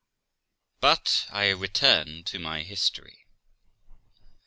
But I return to my history.